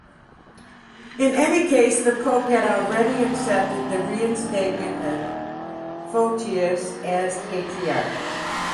In any case, the Pope had already accepted the reinstatement of Photius as Patriarch.